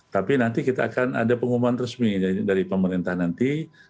tapi nanti kita akan ada pengumuman resmi dari pemerintah nanti